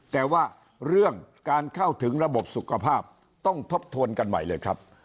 แต่ว่าเรื่องการเข้าถึงระบบสุขภาพต้องทบทวนกันใหม่เลยครับ